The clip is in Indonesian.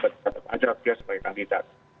tetap ajar dia sebagai kandidat